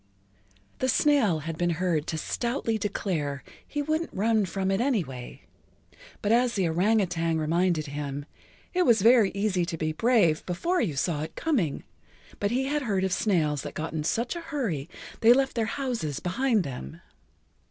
The snail had been heard to stoutly declare he wouldn't run from it anyway, but as the orang outang reminded him, it was very easy to be brave before you saw it coming, but he had heard of snails that got in such a hurry they left their houses behind them.